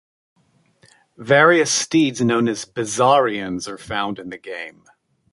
Various steeds known as bizarrians are found in the game.